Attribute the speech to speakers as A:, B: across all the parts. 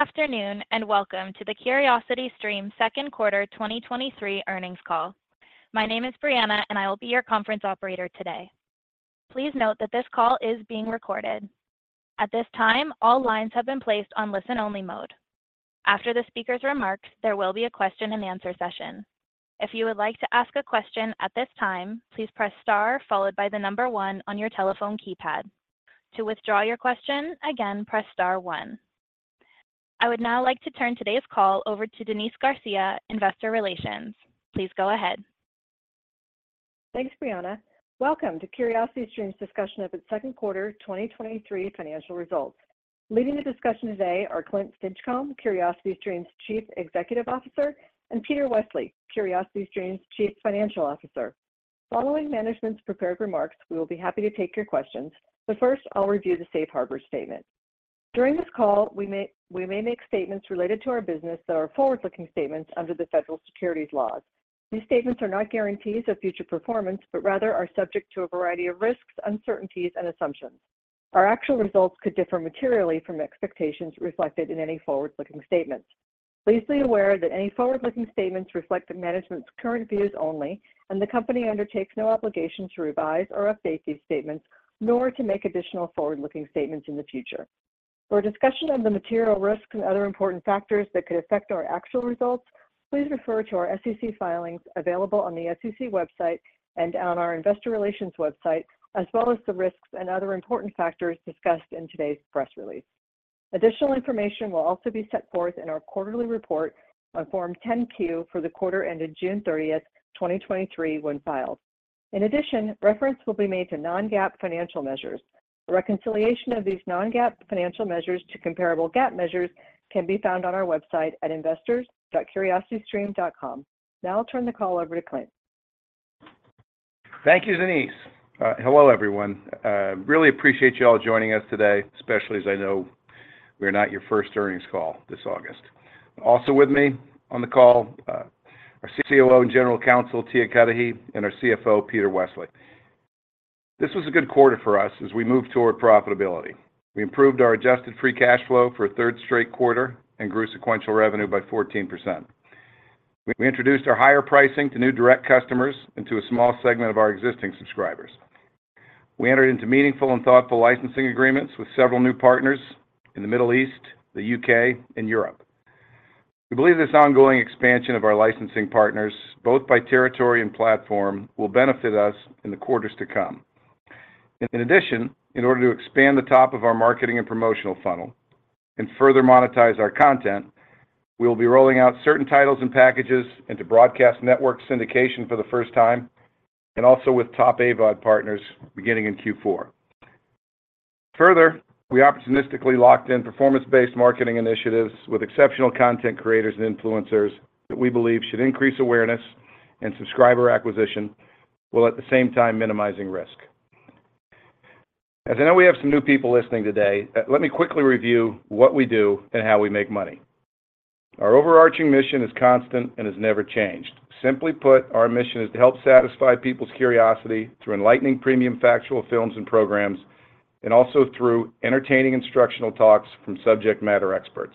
A: Good afternoon. Welcome to the CuriosityStream Second Quarter 2023 Earnings Call. My name is Brianna, and I will be your conference operator today. Please note that this call is being recorded. At this time, all lines have been placed on listen-only mode. After the speaker's remarks, there will be a question-and-answer session. If you would like to ask a question at this time, please press star followed by the number one on your telephone keypad. To withdraw your question, again, press star one. I would now like to turn today's call over to Denise Garcia, Investor Relations. Please go ahead.
B: Thanks, Brianna. Welcome to CuriosityStream's discussion of its second quarter 2023 financial results. Leading the discussion today are Clint Stinchcomb, CuriosityStream's Chief Executive Officer, and Peter Westley, CuriosityStream's Chief Financial Officer. Following management's prepared remarks, we will be happy to take your questions. First, I'll review the safe harbor statement. During this call, we may make statements related to our business that are forward-looking statements under the federal securities laws. These statements are not guarantees of future performance, but rather are subject to a variety of risks, uncertainties and assumptions. Our actual results could differ materially from expectations reflected in any forward-looking statements. Please be aware that any forward-looking statements reflect the management's current views only. The company undertakes no obligation to revise or update these statements, nor to make additional forward-looking statements in the future. For a discussion of the material risks and other important factors that could affect our actual results, please refer to our SEC filings available on the SEC website and on our investor relations website, as well as the risks and other important factors discussed in today's press release. Additional information will also be set forth in our quarterly report on Form 10-Q for the quarter ended June 30th, 2023, when filed. In addition, reference will be made to non-GAAP financial measures. A reconciliation of these non-GAAP financial measures to comparable GAAP measures can be found on our website at investors.curiositystream.com. Now I'll turn the call over to Clint.
C: Thank you, Denise. Hello, everyone. Really appreciate you all joining us today, especially as I know we are not your first earnings call this August. Also with me on the call, our COO and General Counsel, Tia Cudahy, and our CFO, Peter Westley. This was a good quarter for us as we moved toward profitability. We improved our adjusted free cash flow for a third straight quarter and grew sequential revenue by 14%. We introduced our higher pricing to new direct customers into a small segment of our existing subscribers. We entered into meaningful and thoughtful licensing agreements with several new partners in the Middle East, the U.K., and Europe. We believe this ongoing expansion of our licensing partners, both by territory and platform, will benefit us in the quarters to come. In addition, in order to expand the top of our marketing and promotional funnel and further monetize our content, we will be rolling out certain titles and packages into broadcast network syndication for the first time, and also with top AVOD partners beginning in Q4. Further, we opportunistically locked in performance-based marketing initiatives with exceptional content creators and influencers that we believe should increase awareness and subscriber acquisition, while at the same time minimizing risk. As I know we have some new people listening today, let me quickly review what we do and how we make money. Our overarching mission is constant and has never changed. Simply put, our mission is to help satisfy people's curiosity through enlightening premium factual films and programs, and also through entertaining instructional talks from subject matter experts.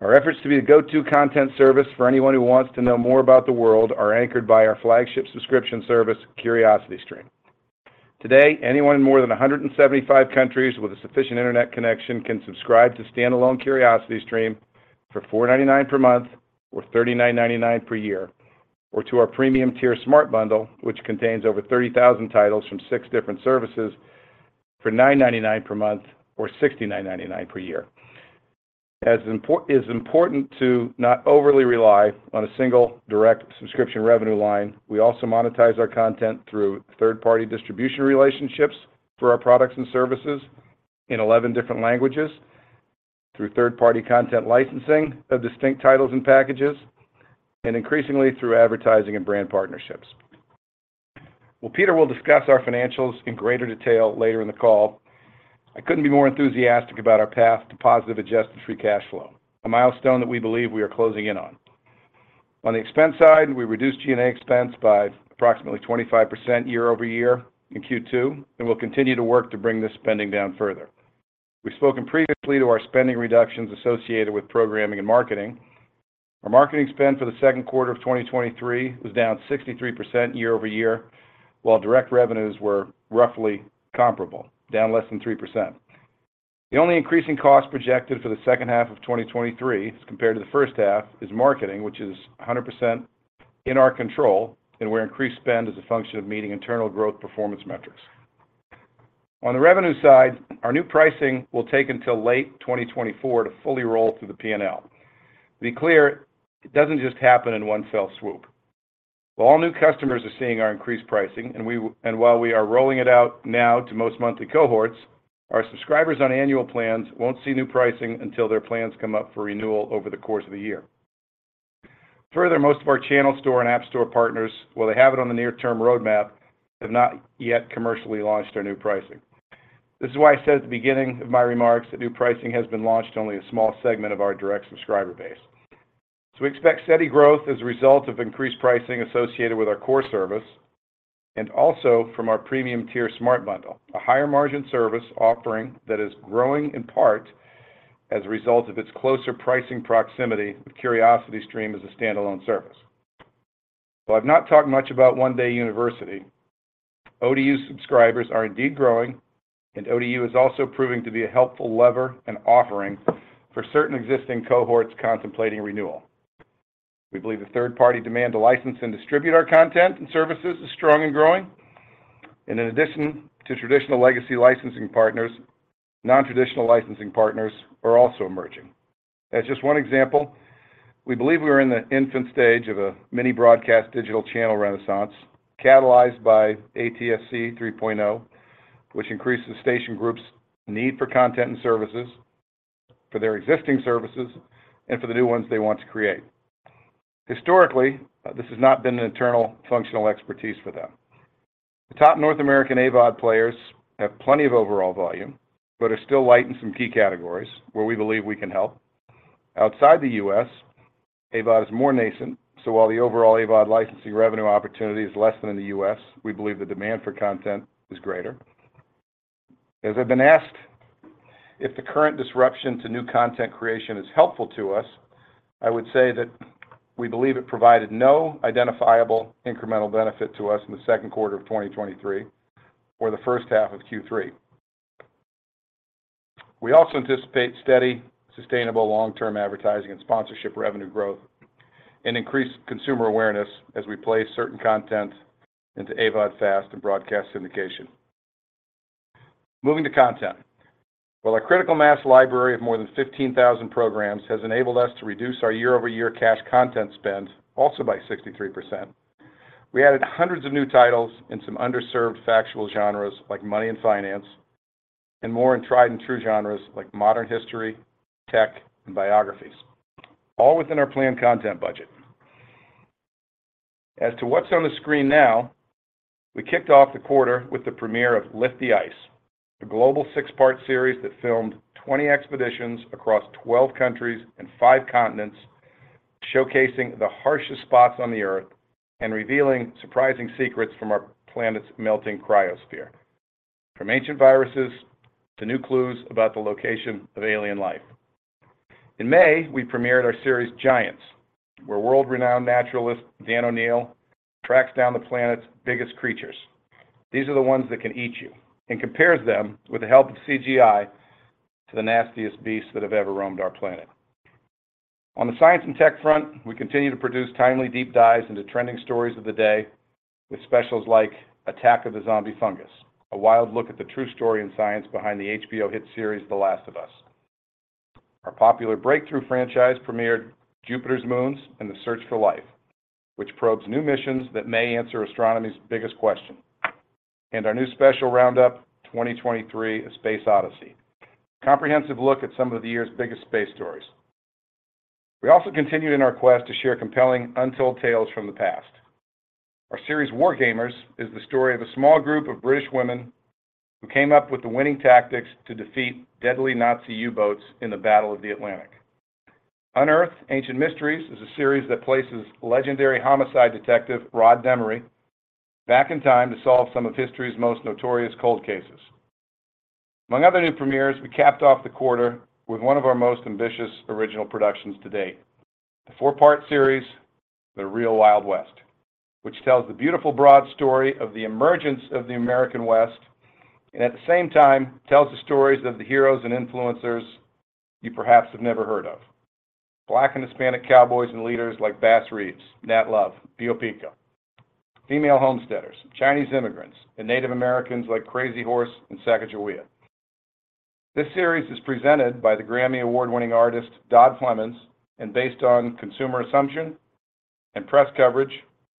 C: Our efforts to be the go-to content service for anyone who wants to know more about the world are anchored by our flagship subscription service, CuriosityStream. Today, anyone in more than 175 countries with a sufficient internet connection can subscribe to standalone CuriosityStream for $4.99 per month or $39.99 per year, or to our premium tier Smart Bundle, which contains over 30,000 titles from six different services for $9.99 per month or $69.99 per year. As it is important to not overly rely on a single direct subscription revenue line, we also monetize our content through third-party distribution relationships for our products and services in 11 different languages, through third-party content licensing of distinct titles and packages, and increasingly through advertising and brand partnerships. Well, Peter will discuss our financials in greater detail later in the call. I couldn't be more enthusiastic about our path to positive adjusted free cash flow, a milestone that we believe we are closing in on. On the expense side, we reduced G&A expense by approximately 25% year-over-year in Q2, and we'll continue to work to bring this spending down further. We've spoken previously to our spending reductions associated with programming and marketing. Our marketing spend for the second quarter of 2023 was down 63% year-over-year, while direct revenues were roughly comparable, down less than 3%. The only increasing cost projected for the second half of 2023 as compared to the first half, is marketing, which is 100% in our control, and where increased spend is a function of meeting internal growth performance metrics. On the revenue side, our new pricing will take until late 2024 to fully roll through the P&L. To be clear, it doesn't just happen in one fell swoop. While all new customers are seeing our increased pricing, and while we are rolling it out now to most monthly cohorts, our subscribers on annual plans won't see new pricing until their plans come up for renewal over the course of a year. Most of our channel store and app store partners, while they have it on the near-term roadmap, have not yet commercially launched our new pricing. This is why I said at the beginning of my remarks that new pricing has been launched in only a small segment of our direct subscriber base. We expect steady growth as a result of increased pricing associated with our core service, and also from our premium-tier Smart Bundle, a higher-margin service offering that is growing in part as a result of its closer pricing proximity with CuriosityStream as a standalone service. While I've not talked much about One Day University, ODU subscribers are indeed growing, and ODU is also proving to be a helpful lever and offering for certain existing cohorts contemplating renewal. We believe the third-party demand to license and distribute our content and services is strong and growing. In addition to traditional legacy licensing partners, non-traditional licensing partners are also emerging. As just one example, we believe we are in the infant stage of a mini broadcast digital channel renaissance, catalyzed by ATSC 3.0, which increases station groups' need for content and services, for their existing services, and for the new ones they want to create. Historically, this has not been an internal functional expertise for them. The top North American AVOD players have plenty of overall volume, but are still light in some key categories where we believe we can help. Outside the U.S., AVOD is more nascent, so while the overall AVOD licensing revenue opportunity is less than in the U.S., we believe the demand for content is greater. As I've been asked, if the current disruption to new content creation is helpful to us, I would say that we believe it provided no identifiable incremental benefit to us in the second quarter of 2023 or the first half of Q3. We also anticipate steady, sustainable, long-term advertising and sponsorship revenue growth and increased consumer awareness as we place certain content into AVOD, FAST, and broadcast syndication. Moving to content. While our critical mass library of more than 15,000 programs has enabled us to reduce our year-over-year cash content spend, also by 63%, we added hundreds of new titles in some underserved factual genres like money and finance, and more in tried-and-true genres like modern history, tech, and biographies, all within our planned content budget. As to what's on the screen now, we kicked off the quarter with the premiere of Lift the Ice, a global six-part series that filmed 20 expeditions across 12 countries and five continents, showcasing the harshest spots on the Earth and revealing surprising secrets from our planet's melting cryosphere, from ancient viruses to new clues about the location of alien life. In May, we premiered our series, Giants, where world-renowned naturalist, Dan O'Neill, tracks down the planet's biggest creatures. These are the ones that can eat you. Compares them, with the help of CGI, to the nastiest beasts that have ever roamed our planet. On the science and tech front, we continue to produce timely, deep dives into trending stories of the day with specials like Attack of the Zombie Fungus, a wild look at the true story in science behind the HBO hit series, The Last of Us. Our popular Breakthrough franchise premiered Jupiter's Moons and the Search for Life, which probes new missions that may answer astronomy's biggest question. Our new special roundup, 2023: A Space Odyssey, a comprehensive look at some of the year's biggest space stories. We also continued in our quest to share compelling, untold tales from the past. Our series, War Gamers, is the story of a small group of British women who came up with the winning tactics to defeat deadly Nazi U-boats in the Battle of the Atlantic. Unearthed Ancient Mysteries is a series that places legendary homicide detective, Rod Demery, back in time to solve some of history's most notorious cold cases. Among other new premieres, we capped off the quarter with one of our most ambitious original productions to date, a four-part series, The Real Wild West, which tells the beautiful, broad story of the emergence of the American West, and at the same time, tells the stories of the heroes and influencers you perhaps have never heard of. Black and Hispanic cowboys and leaders like Bass Reeves, Nat Love, Bill Pickett, female homesteaders, Chinese immigrants, and Native Americans like Crazy Horse and Sacagawea. This series is presented by the Grammy Award-winning artist, Dom Flemons. Based on consumer assumption and press coverage,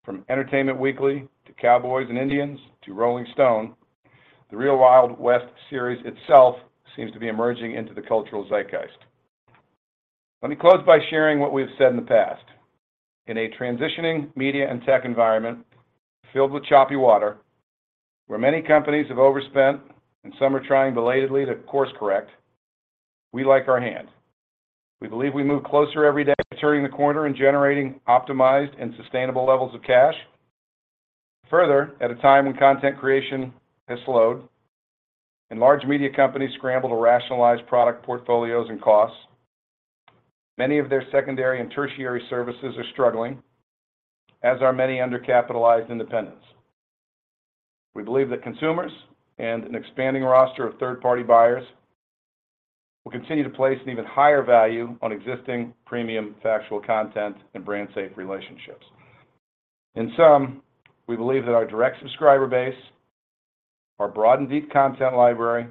C: from Entertainment Weekly to Cowboys & Indians to Rolling Stone, The Real Wild West series itself seems to be emerging into the cultural zeitgeist. Let me close by sharing what we've said in the past. In a transitioning media and tech environment filled with choppy water, where many companies have overspent and some are trying belatedly to course-correct, we like our hand. We believe we move closer every day to turning the corner and generating optimized and sustainable levels of cash. Further, at a time when content creation has slowed and large media companies scramble to rationalize product portfolios and costs, many of their secondary and tertiary services are struggling, as are many undercapitalized independents. We believe that consumers and an expanding roster of third-party buyers will continue to place an even higher value on existing premium factual content and brand-safe relationships. In sum, we believe that our direct subscriber base, our broad and deep content library,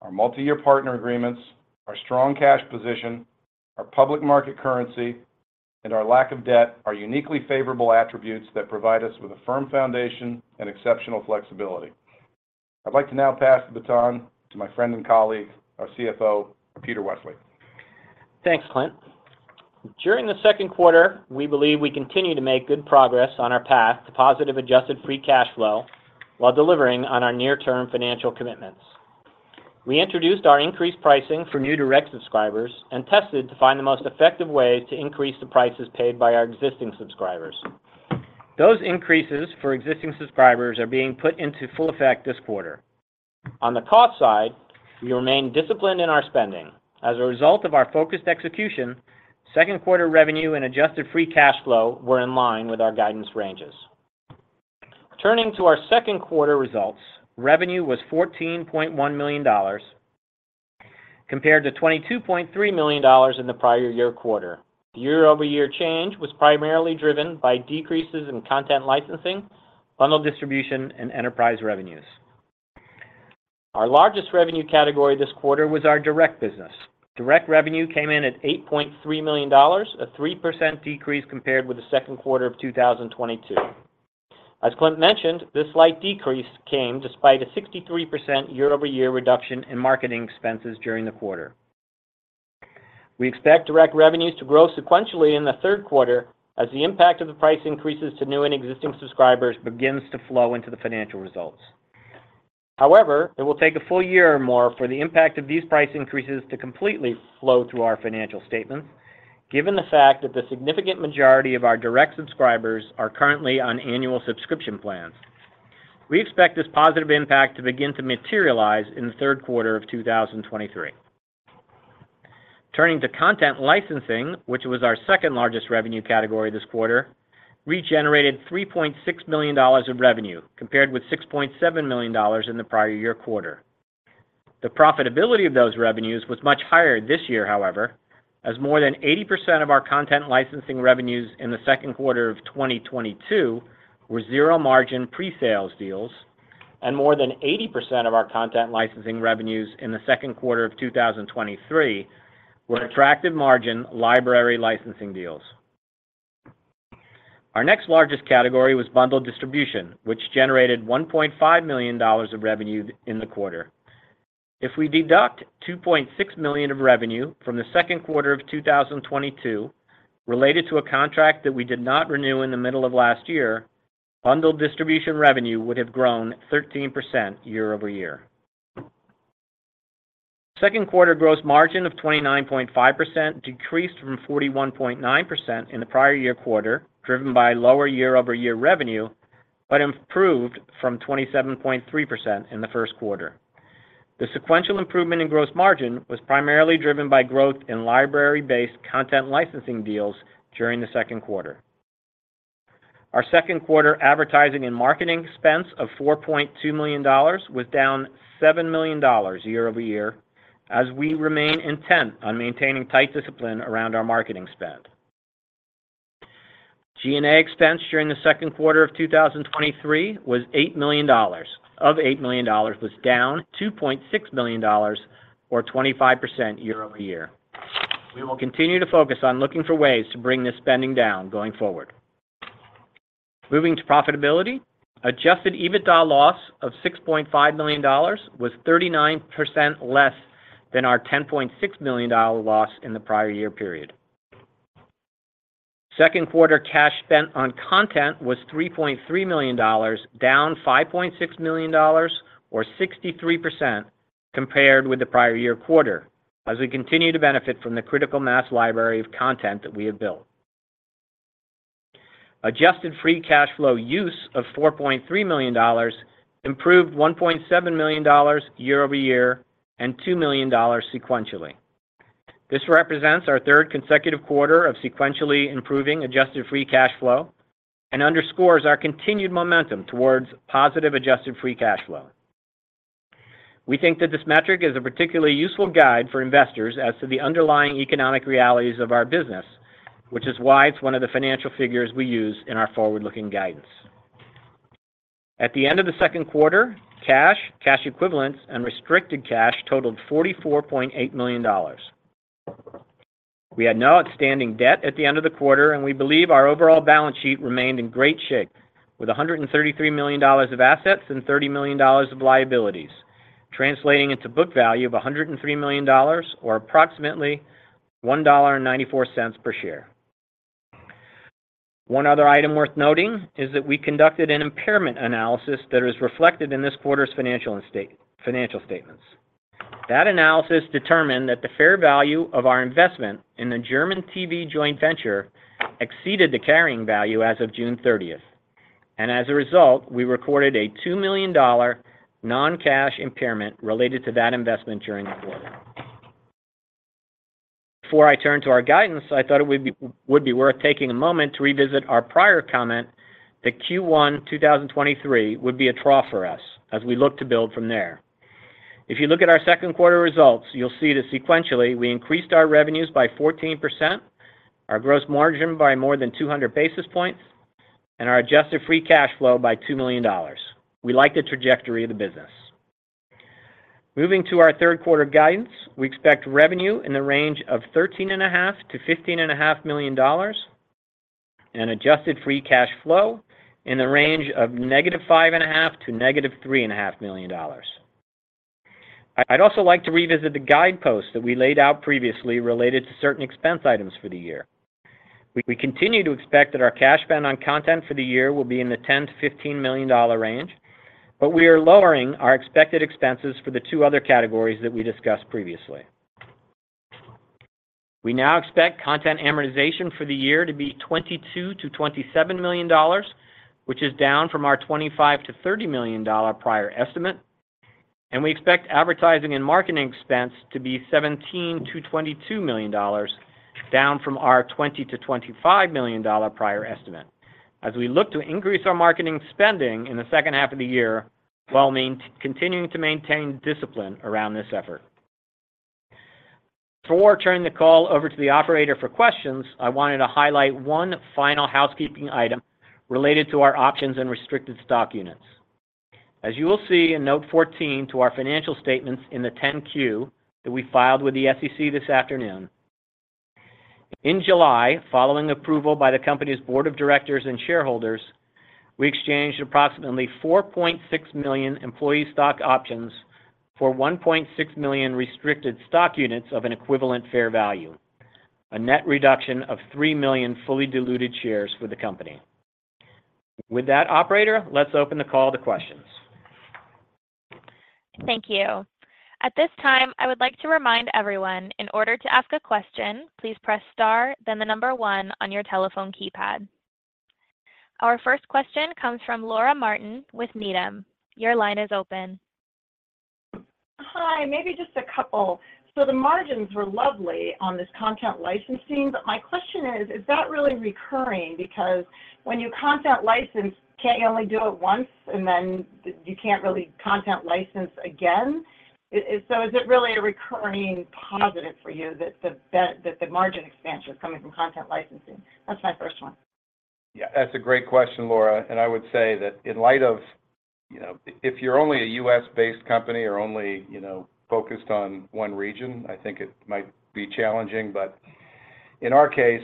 C: our multi-year partner agreements, our strong cash position, our public market currency, and our lack of debt are uniquely favorable attributes that provide us with a firm foundation and exceptional flexibility. I'd like to now pass the baton to my friend and colleague, our CFO, Peter Westley.
D: Thanks, Clint. During the second quarter, we believe we continued to make good progress on our path to positive adjusted free cash flow while delivering on our near-term financial commitments. We introduced our increased pricing for new direct subscribers and tested to find the most effective way to increase the prices paid by our existing subscribers. Those increases for existing subscribers are being put into full effect this quarter. On the cost side, we remain disciplined in our spending. As a result of our focused execution, second quarter revenue and adjusted free cash flow were in line with our guidance ranges. Turning to our second quarter results, revenue was $14.1 million, compared to $22.3 million in the prior year quarter. Year-over-year change was primarily driven by decreases in content licensing, bundled distribution, and enterprise revenues. Our largest revenue category this quarter was our direct business. Direct revenue came in at $8.3 million, a 3% decrease compared with the second quarter of 2022. As Clint mentioned, this slight decrease came despite a 63% year-over-year reduction in marketing expenses during the quarter. We expect direct revenues to grow sequentially in the third quarter as the impact of the price increases to new and existing subscribers begins to flow into the financial results. However, it will take a full year or more for the impact of these price increases to completely flow through our financial statements, given the fact that the significant majority of our direct subscribers are currently on annual subscription plans. We expect this positive impact to begin to materialize in the third quarter of 2023. Turning to content licensing, which was our second-largest revenue category this quarter, we generated $3.6 million of revenue, compared with $6.7 million in the prior year quarter. The profitability of those revenues was much higher this year, however, as more than 80% of our content licensing revenues in the second quarter of 2022 were zero-margin presales deals, and more than 80% of our content licensing revenues in the second quarter of 2023 were attractive-margin library licensing deals. Our next largest category was bundled distribution, which generated $1.5 million of revenue in the quarter. If we deduct $2.6 million of revenue from the second quarter of 2022, related to a contract that we did not renew in the middle of last year, bundled distribution revenue would have grown 13% year-over-year. Second quarter gross margin of 29.5% decreased from 41.9% in the prior year quarter, driven by lower year-over-year revenue, but improved from 27.3% in the first quarter. The sequential improvement in gross margin was primarily driven by growth in library-based content licensing deals during the second quarter. Our second quarter advertising and marketing expense of $4.2 million was down $7 million year-over-year, as we remain intent on maintaining tight discipline around our marketing spend. G&A expense during the second quarter of 2023 was $8 million. Of $8 million was down $2.6 million or 25% year-over-year. We will continue to focus on looking for ways to bring this spending down going forward. Moving to profitability, adjusted EBITDA loss of $6.5 million was 39% less than our $10.6 million loss in the prior year period. Second quarter cash spent on content was $3.3 million, down $5.6 million or 63% compared with the prior year quarter, as we continue to benefit from the critical mass library of content that we have built. Adjusted free cash flow use of $4.3 million improved $1.7 million year-over-year and $2 million sequentially. This represents our third consecutive quarter of sequentially improving adjusted free cash flow and underscores our continued momentum towards positive adjusted free cash flow. We think that this metric is a particularly useful guide for investors as to the underlying economic realities of our business, which is why it's one of the financial figures we use in our forward-looking guidance. At the end of the second quarter, cash, cash equivalents, and restricted cash totaled $44.8 million. We had no outstanding debt at the end of the quarter, and we believe our overall balance sheet remained in great shape with $133 million of assets and $30 million of liabilities, translating into book value of $103 million or approximately $1.94 per share. One other item worth noting is that we conducted an impairment analysis that is reflected in this quarter's financial statements. That analysis determined that the fair value of our investment in the German TV joint venture exceeded the carrying value as of June 30th, and as a result, we recorded a $2 million non-cash impairment related to that investment during the quarter. Before I turn to our guidance, I thought it would be, would be worth taking a moment to revisit our prior comment that Q1 2023 would be a trough for us as we look to build from there. If you look at our second quarter results, you'll see that sequentially, we increased our revenues by 14%, our gross margin by more than 200 basis points, and our adjusted free cash flow by $2 million. We like the trajectory of the business. Moving to our third quarter guidance, we expect revenue in the range of $13.5 million-$15.5 million and adjusted free cash flow in the range of -$5.5 million to -$3.5 million. I'd also like to revisit the guideposts that we laid out previously related to certain expense items for the year. We continue to expect that our cash spend on content for the year will be in the $10 million-$15 million range, but we are lowering our expected expenses for the two other categories that we discussed previously. We now expect content amortization for the year to be $22 million-$27 million, which is down from our $25 million-$30 million prior estimate. We expect advertising and marketing expense to be $17 million-$22 million, down from our $20 million-$25 million prior estimate, as we look to increase our marketing spending in the second half of the year, while continuing to maintain discipline around this effort. Before I turn the call over to the operator for questions, I wanted to highlight one final housekeeping item related to our options and restricted stock units. As you will see in note 14 to our financial statements in the 10-Q that we filed with the SEC this afternoon, in July, following approval by the company's board of directors and shareholders, we exchanged approximately 4.6 million employee stock options for 1.6 million restricted stock units of an equivalent fair value, a net reduction of 3 million fully diluted shares for the company. With that, operator, let's open the call to questions.
A: Thank you. At this time, I would like to remind everyone, in order to ask a question, please press star, then the number one on your telephone keypad. Our first question comes from Laura Martin with Needham. Your line is open.
E: Hi, maybe just a couple. The margins were lovely on this content licensing, but my question is: Is that really recurring? Because when you content license, can't you only do it once, and then you can't really content license again? Is it really a recurring positive for you, that the margin expansion is coming from content licensing? That's my first one.
C: Yeah, that's a great question, Laura, and I would say that in light of, you know, if you're only a U.S.-based company or only, you know, focused on one region, I think it might be challenging. In our case,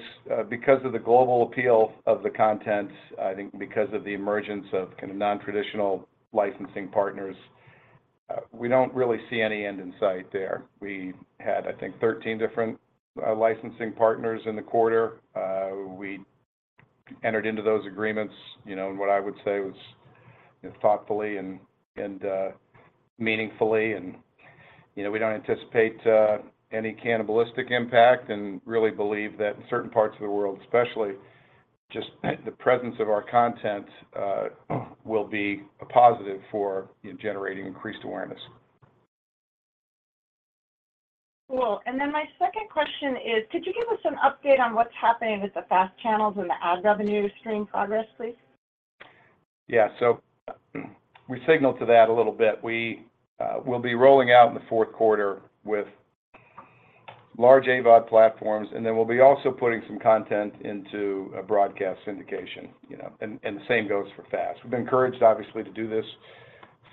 C: because of the global appeal of the content, I think because of the emergence of kind of nontraditional licensing partners, we don't really see any end in sight there. We had, I think, 13 different licensing partners in the quarter. We entered into those agreements, you know, in what I would say was thoughtfully and, and, meaningfully. You know, we don't anticipate any cannibalistic impact and really believe that in certain parts of the world, especially, just the presence of our content, will be a positive for generating increased awareness.
E: Cool. My second question is, could you give us an update on what's happening with the FAST channels and the ad revenue stream progress, please?
C: Yeah. We signaled to that a little bit. We will be rolling out in the fourth quarter with large AVOD platforms, and then we'll be also putting some content into a broadcast syndication, you know, and, and the same goes for FAST. We've been encouraged, obviously, to do this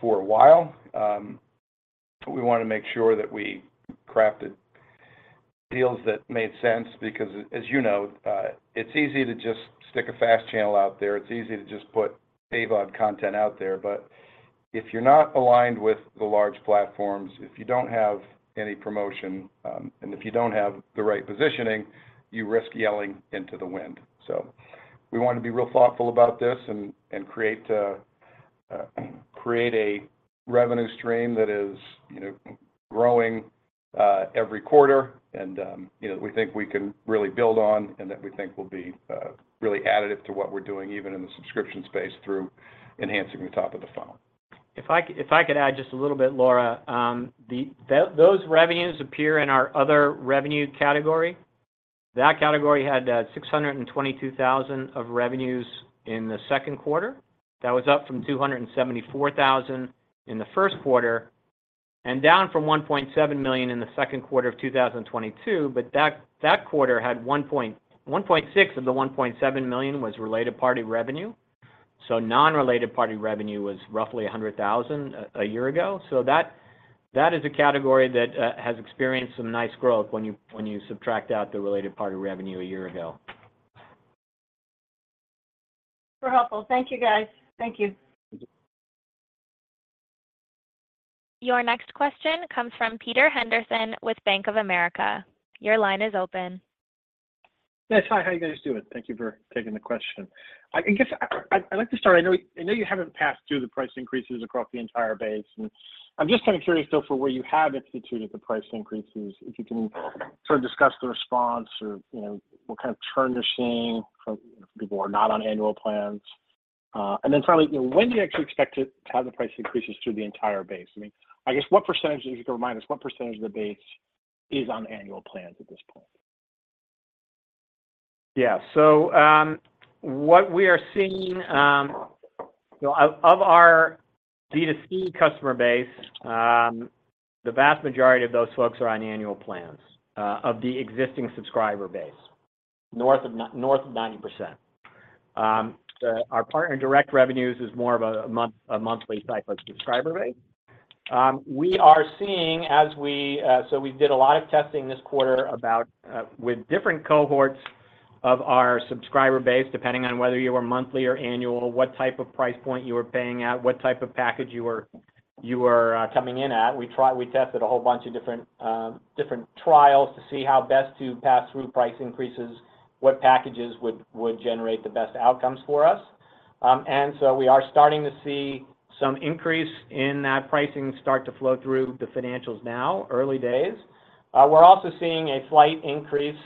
C: for a while. We wanna make sure that we crafted deals that made sense because, as you know, it's easy to just stick a FAST channel out there. It's easy to just put AVOD content out there, but if you're not aligned with the large platforms, if you don't have any promotion, and if you don't have the right positioning, you risk yelling into the wind. We want to be real thoughtful about this and, and create a, create a revenue stream that is, you know, growing, every quarter and, you know, we think we can really build on, and that we think will be, really additive to what we're doing, even in the subscription space, through enhancing the top of the funnel.
D: If I if I could add just a little bit, Laura. That, those revenues appear in our other revenue category. That category had $622,000 of revenues in the second quarter. That was up from $274,000 in the first quarter and down from $1.7 million in the second quarter of 2022. That, that quarter had $1.6 million of the $1.7 million was related party revenue, so non-related party revenue was roughly $100,000 a year ago. That, that is a category that has experienced some nice growth when you, when you subtract out the related party revenue a year ago.
E: Super helpful. Thank you, guys. Thank you.
C: Thank you.
A: Your next question comes from Peter Henderson with Bank of America. Your line is open.
F: Yes, hi. How are you guys doing? Thank you for taking the question. I guess I, I'd like to start... I know you haven't passed through the price increases across the entire base, and I'm just kind of curious, though, for where you have instituted the price increases, if you can sort of discuss the response or, you know, what kind of churn you're seeing from people who are not on annual plans. Then finally, when do you actually expect to have the price increases through the entire base? I mean, I guess what percentage, if you could remind us, what percentage of the base is on annual plans at this point?
D: Yeah. What we are seeing, you know, of, of our D2C customer base, the vast majority of those folks are on annual plans, of the existing subscriber base, north of 90%. Our partner direct revenues is more of a month, a monthly cycle subscriber base. We are seeing as we... We did a lot of testing this quarter about, with different cohorts of our subscriber base, depending on whether you were monthly or annual, what type of price point you were paying at, what type of package you are coming in at. We tried, we tested a whole bunch of different, different trials to see how best to pass through price increases, what packages would, would generate the best outcomes for us. We are starting to see some increase in that pricing start to flow through the financials now, early days. We're also seeing a slight increase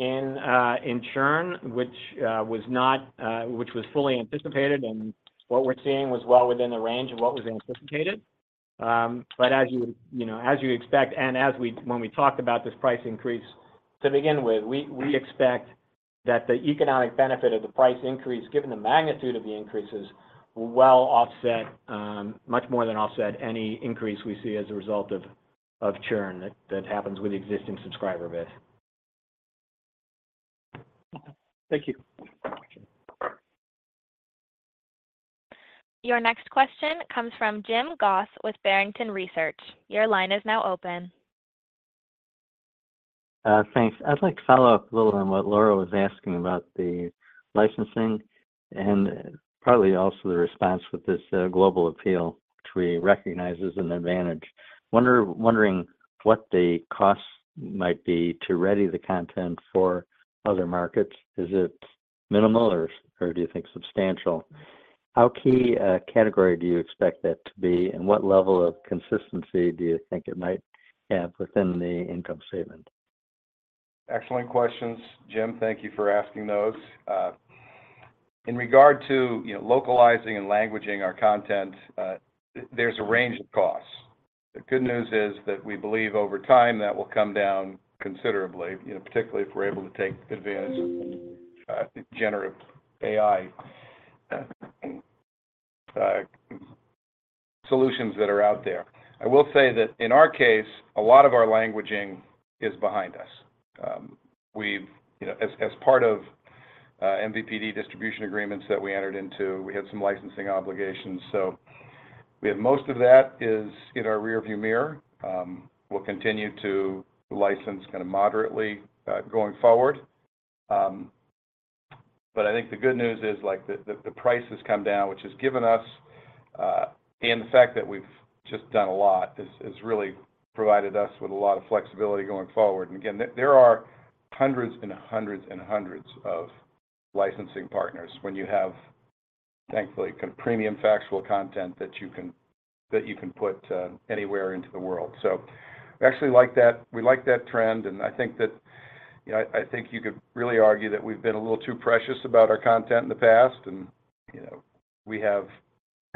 D: in churn, which was fully anticipated, and what we're seeing was well within the range of what was anticipated. As you, you know, as you expect, and as we when we talked about this price increase to begin with, we, we expect that the economic benefit of the price increase, given the magnitude of the increases, will well offset, much more than offset any increase we see as a result of churn that, that happens with existing subscriber base.
F: Thank you.
A: Your next question comes from Jim Goss with Barrington Research. Your line is now open.
G: Thanks. I'd like to follow up a little on what Laura was asking about the licensing and partly also the response with this global appeal, which we recognize is an advantage. Wondering what the costs might be to ready the content for other markets, is it minimal or do you think substantial? How key a category do you expect that to be, and what level of consistency do you think it might have within the income statement?
C: Excellent questions, Jim. Thank you for asking those. In regard to, you know, localizing and languaging our content, there's a range of costs. The good news is that we believe over time that will come down considerably, you know, particularly if we're able to take advantage of generative AI solutions that are out there. I will say that in our case, a lot of our languaging is behind us. We've, you know, as, as part of MVPD distribution agreements that we entered into, we had some licensing obligations, so we have most of that is in our rearview mirror. We'll continue to license kinda moderately going forward. I think the good news is, like, the, the, the price has come down, which has given us, and the fact that we've just done a lot, has, has really provided us with a lot of flexibility going forward. Again, there, there are hundreds and hundreds and hundreds of licensing partners when you have, thankfully, kind of premium factual content that you can- that you can put anywhere into the world. We actually like that. We like that trend, and I think that, you know, I, I think you could really argue that we've been a little too precious about our content in the past. You know, we have,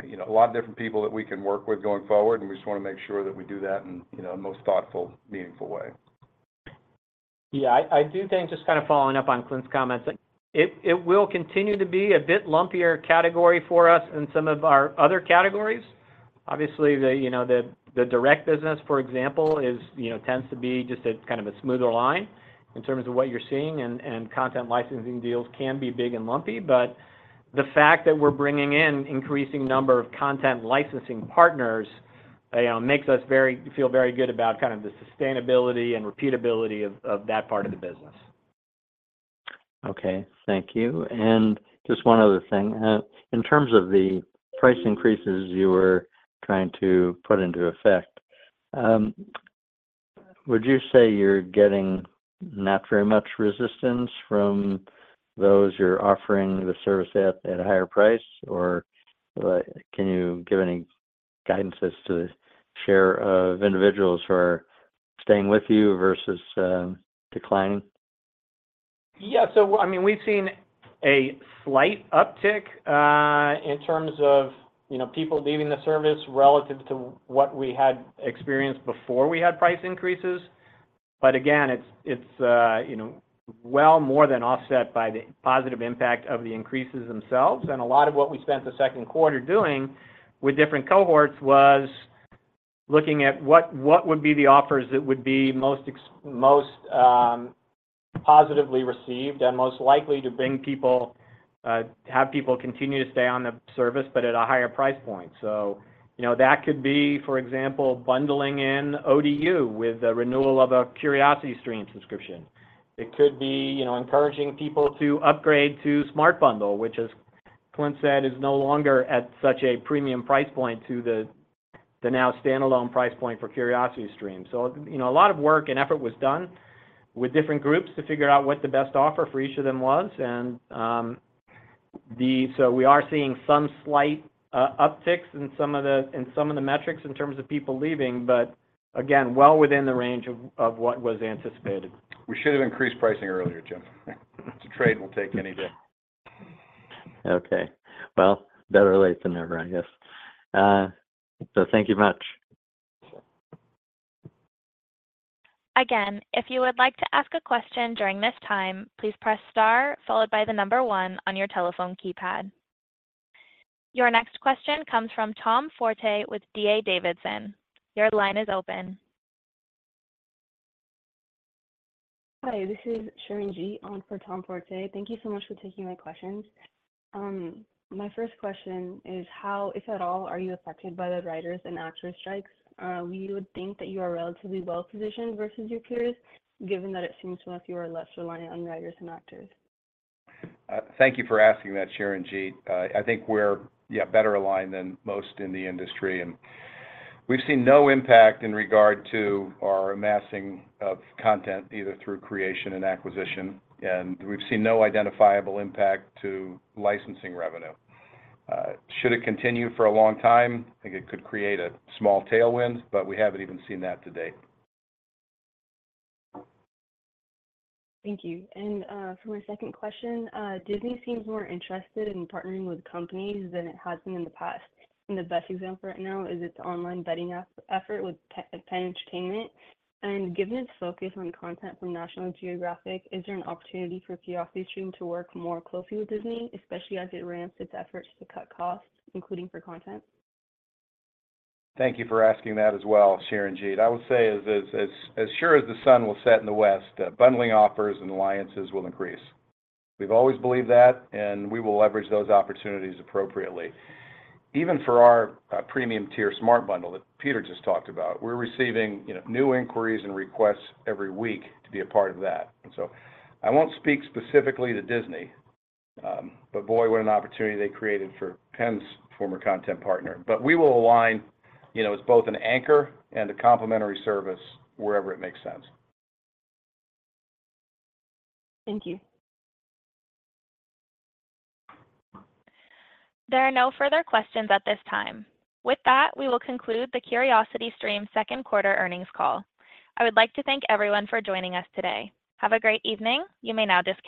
C: you know, a lot of different people that we can work with going forward, and we just wanna make sure that we do that in, you know, a most thoughtful, meaningful way.
D: Yeah, I, I do think, just kind of following up on Clint's comments, that it, it will continue to be a bit lumpier category for us than some of our other categories. Obviously, the, you know, the, the direct business, for example, is, you know, tends to be just a kind of a smoother line in terms of what you're seeing, and, and content licensing deals can be big and lumpy. The fact that we're bringing in increasing number of content licensing partners, you know, makes us feel very good about kind of the sustainability and repeatability of, of that part of the business.
G: Okay, thank you. Just one other thing. In terms of the price increases you were trying to put into effect, would you say you're getting not very much resistance from those you're offering the service at, at a higher price? Or, can you give any guidance to the share of individuals who are staying with you versus, declining?
D: Yeah. I mean, we've seen a slight uptick, in terms of, you know, people leaving the service relative to what we had experienced before we had price increases. Again, it's, it's, you know, well more than offset by the positive impact of the increases themselves. A lot of what we spent the second quarter doing with different cohorts was looking at what, what would be the offers that would be most most positively received and most likely to bring people to have people continue to stay on the service but at a higher price point. You know, that could be, for example, bundling in ODU with the renewal of a CuriosityStream subscription. It could be, you know, encouraging people to upgrade to Smart Bundle, which, as Clint said, is no longer at such a premium price point to the, the now standalone price point for CuriosityStream. A lot of work and effort was done with different groups to figure out what the best offer for each of them was. So we are seeing some slight upticks in some of the, in some of the metrics in terms of people leaving, but again, well within the range of, of what was anticipated.
C: We should have increased pricing earlier, Jim. It's a trade we'll take any day.
G: Okay. Well, better late than never, I guess. Thank you much.
A: Again, if you would like to ask a question during this time, please press star followed by 1 on your telephone keypad. Your next question comes from Tom Forte with D.A. Davidson. Your line is open.
H: Hi, this is Sharon Ji on for Tom Forte. Thank you so much for taking my questions. My first question is: How, if at all, are you affected by the writers and actors strikes? We would think that you are relatively well-positioned versus your peers, given that it seems to us you are less reliant on writers and actors.
C: Thank you for asking that, Sharon Ji. I think we're, yeah, better aligned than most in the industry, and we've seen no impact in regard to our amassing of content, either through creation and acquisition, and we've seen no identifiable impact to licensing revenue. Should it continue for a long time, I think it could create a small tailwind, but we haven't even seen that to date.
H: Thank you. For my second question, Disney seems more interested in partnering with companies than it has been in the past, and the best example right now is its online betting app effort with PENN Entertainment. Given its focus on content from National Geographic, is there an opportunity for CuriosityStream to work more closely with Disney, especially as it ramps its efforts to cut costs, including for content?
C: Thank you for asking that as well, Sharon Ji. I would say as sure as the sun will set in the west, bundling offers and alliances will increase. We've always believed that, and we will leverage those opportunities appropriately. Even for our premium tier Smart Bundle that Peter just talked about, we're receiving, you know, new inquiries and requests every week to be a part of that. I won't speak specifically to Disney, but boy, what an opportunity they created for PENN's former content partner. We will align, you know, as both an anchor and a complimentary service wherever it makes sense.
H: Thank you.
A: There are no further questions at this time. With that, we will conclude the CuriosityStream second quarter earnings call. I would like to thank everyone for joining us today. Have a great evening. You may now disconnect.